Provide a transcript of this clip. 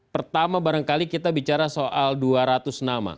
pertama barangkali kita bicara soal dua ratus nama